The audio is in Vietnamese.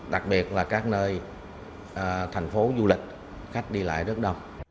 đặc biệt là các nơi thành phố du lịch khách đi lại rất đông